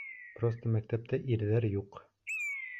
Просто мәктәптә ирҙәр юҡ.